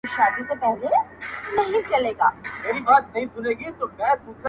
o توکل ئې نر دئ٫